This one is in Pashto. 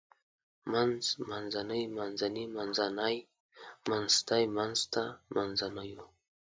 منځ منځنۍ منځني منځتی منځته منځنيو